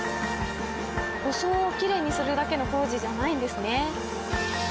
装をきれいにするだけの工事じゃないんですね。